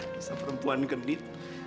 bisa perempuan gendit